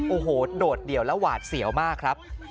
โอ้โหโดดเดี่ยวและหวาดเสียวมากครับ